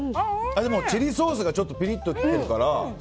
でもチリソースがちょっとピリッと来て。